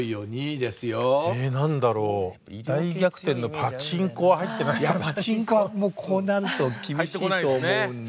「パチンコ」はもうこうなると厳しいと思うんだ。